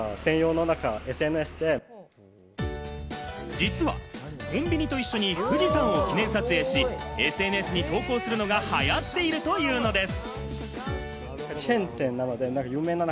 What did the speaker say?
実はコンビニと一緒に富士山を記念撮影し、ＳＮＳに投稿するのが流行っているというのです。